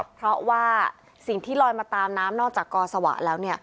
เพราะว่าสิ่งที่ลอยมาตามน้ำนอกจากกอสวะแล้ว